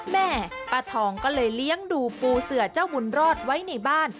แม่ป้าทองก็เลยเลี้ยงดูปูเสือเจ้าบุญรอดไว้ในบ้าน